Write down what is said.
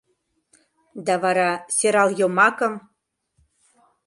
Да вара сӧрал йомакым